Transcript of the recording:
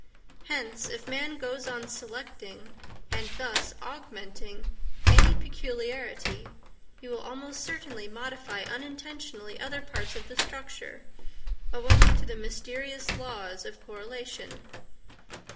Hence if man goes on selecting, and thus augmenting, any peculiarity, he will almost certainly modify unintentionally other parts of the structure, owing to the mysterious laws of correlation.